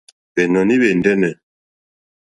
Hwɛ̀nɔ̀ní hwɛ̀ ndɛ́nɛ̀.